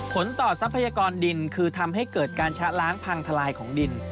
ผลต่อทรัพยากรดินคือทำให้เกิดการชะล้างพังทลายของดิน